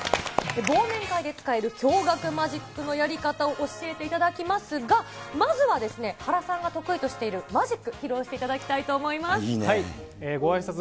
忘年会で使える驚がくマジックのやり方を教えていただきますが、まずはですね、ハラさんが得意としているマジック、披露していただきたいと思いごあいさつ